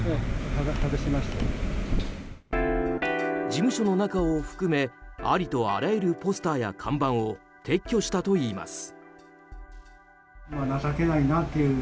事務所の中を含めありとあらゆるポスターや看板を撤去したといいます。